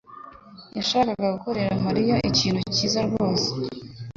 yashakaga gukorera Mariya ikintu cyiza rwose.